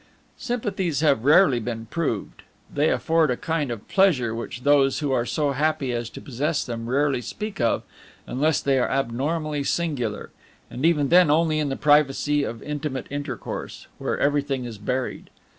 Sympathies have rarely been proved; they afford a kind of pleasure which those who are so happy as to possess them rarely speak of unless they are abnormally singular, and even then only in the privacy of intimate intercourse, where everything is buried.